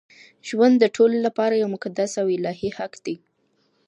ژوند د ټولو لپاره یو مقدس او الهي حق دی.